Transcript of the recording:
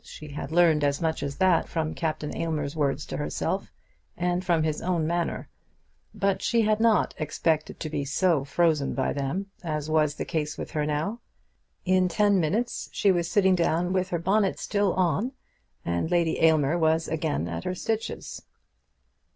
She had learned as much as that from Captain Aylmer's words to herself, and from his own manner. But she had not expected to be so frozen by them as was the case with her now. In ten minutes she was sitting down with her bonnet still on, and Lady Aylmer was again at her stitches.